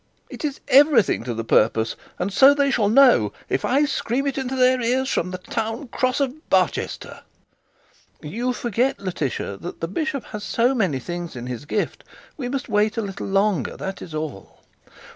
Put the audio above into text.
It is everything to the purpose; and so they shall know, if I scream it into their ears from the town cross of Barchester.' 'You forget, Letitia, that the bishop has so many things in his gift. We must wait a little longer. That is all.'